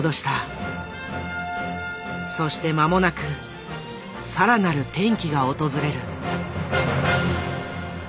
そして間もなく更なる転機が訪れる。